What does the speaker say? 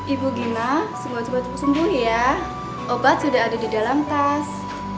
ibu gina sempat sempat sembuh ya obat sudah ada di dalam tas